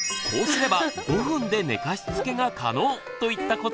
こうすれば５分で寝かしつけが可能！といった